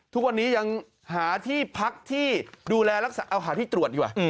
ทุกวันนี้ยังหาที่พักที่ดูแลรักษาเอาหาที่ตรวจดีกว่า